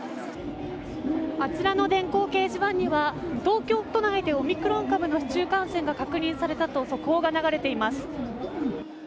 あちらの電光掲示板には東京都内でオミクロン株の市中感染が確認されたと速報が流れています。